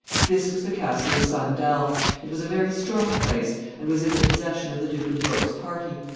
This was the castle of Sandal. It was a very strong place, and was in the possession of the Duke of York's party.